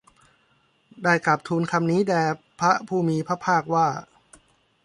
ได้กราบทูลคำนี้แด่พระผู้มีพระภาคว่า